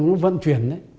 nó vận chuyển